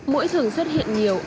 mũi thường xuất hiện nhiều